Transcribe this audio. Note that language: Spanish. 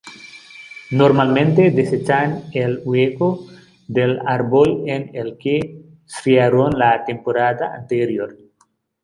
Normalmente desechan el hueco del árbol en el que criaron la temporada anterior.